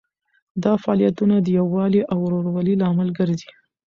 دا فعالیتونه د یووالي او ورورولۍ لامل ګرځي.